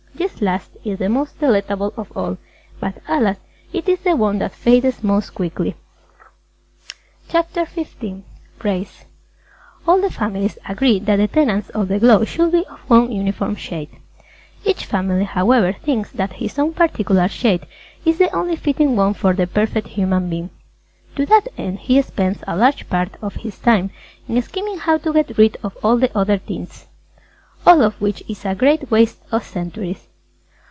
This last is the most delectable of all but, alas, it is the one that fades most quickly. [Illustration: PERFECT LADY] CHAPTER XV RACE All the Families agree that the tenants of the Globe should be of one uniform shade. [Illustration: MILL RACE] Each Family, however, thinks that his own particular shade is the only fitting one for the Perfect Human Being. To that end he spends a large part of his time in scheming how to get rid of all the other tints. All of which is a great waste of centuries!